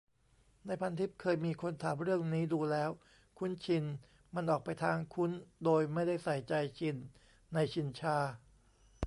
ในพันทิปเคยมีคนถามเรื่องนี้ ดูแล้ว คุ้นชิน มันออกไปทาง คุ้นโดยไม่ได้ใส่ใจ "ชิน" ในชินชา